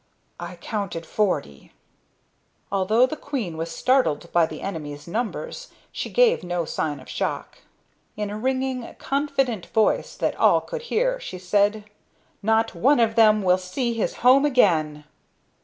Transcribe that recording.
"I counted forty." Although the queen was startled by the enemy's numbers, she gave no sign of shock. In a ringing, confident voice that all could hear, she said: "Not one of them will see his home again."